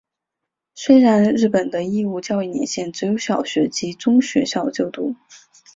虽然日本的义务教育年限只有小学及中学校就读。